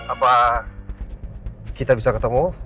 apa kita bisa ketemu